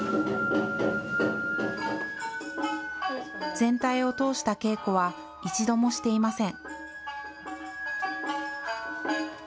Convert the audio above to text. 全体を通した稽古は一度もしていません。